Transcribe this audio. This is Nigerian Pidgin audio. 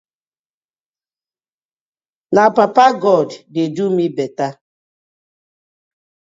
Na papa god dey do mi better.